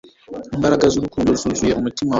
Imbaraga zurukundo zuzuye umutima wanjye